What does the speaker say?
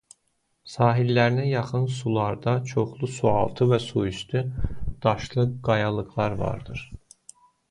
Sahillərinə yaxın sularda çoxlu sualtı və su üstü daşlı qayalıqlar vardır.